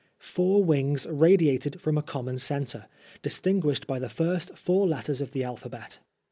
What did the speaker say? Four wings radiated from a common centre, distinguished by the first four letters of the alphabet.